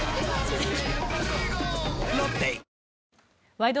「ワイド！